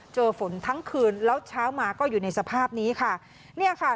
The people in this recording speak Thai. เจอฝนทั้งคืนแล้วเช้ามาก็อยู่ในสภาพนี้ค่ะเนี่ยค่ะ